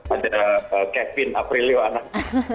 ada kevin aprilio anak